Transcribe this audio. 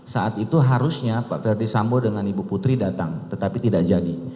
saat itu harusnya pak ferdis sambo dengan ibu putri datang tetapi tidak jadi